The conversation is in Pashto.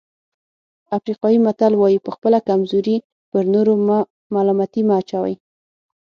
افریقایي متل وایي په خپله کمزوري پر نورو ملامتي مه اچوئ.